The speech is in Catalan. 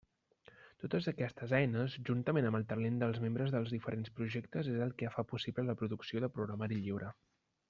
Totes aquestes eines, juntament amb el talent dels membres dels diferents projectes, és el que fa possible la producció de programari lliure.